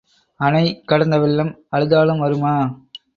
அணை கடந்த வெள்ளம் அழுதாலும் வருமா?